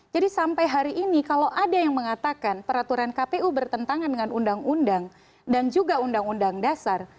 jadi sampai hari ini kalau ada yang mengatakan peraturan kpu bertentangan dengan undang undang dan juga undang undang dasar